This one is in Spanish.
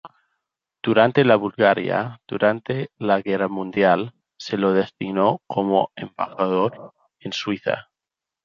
Durante la Bulgaria durante la guerra mundial, se le destinó como embajador en Suiza.